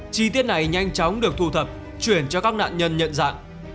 chi tiết này nhanh chóng được thu thập chuyển cho các nạn nhân nhận dạng